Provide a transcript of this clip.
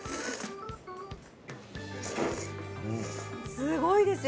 すごいですよ！